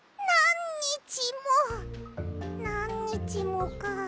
なんにちもか。